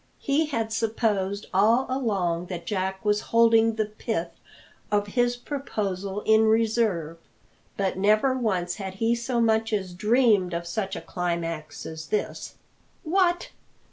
He had supposed all along that Jack was holding the pith of his proposal in reserve; but never once had he so much as dreamed of such a climax as this. "What!